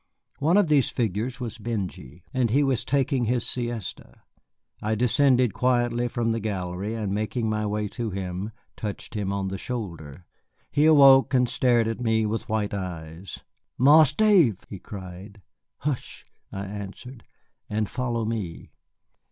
One of these figures was Benjy, and he was taking his siesta. I descended quietly from the gallery, and making my way to him, touched him on the shoulder. He awoke and stared at me with white eyes. "Marse Dave!" he cried. "Hush," I answered, "and follow me."